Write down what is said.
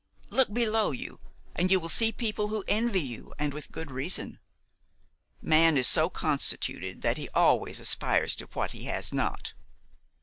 Look below you and you will see people who envy you, and with good reason. Man is so constituted that he always aspires to what he has not."